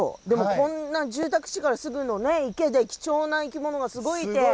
こんな住宅地のすぐ近くの池で貴重な生き物がすごい、いて。